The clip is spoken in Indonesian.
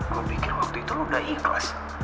gue pikir waktu itu lu udah ikhlas